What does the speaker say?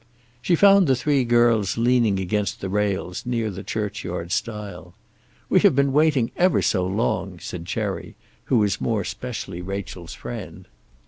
She found the three girls leaning against the rails near the churchyard stile. "We have been waiting ever so long," said Cherry, who was more specially Rachel's friend.